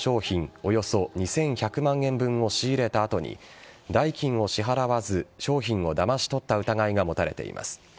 およそ２１００万円分を仕入れた後に代金を支払わず商品をだまし取った疑いが持たれています。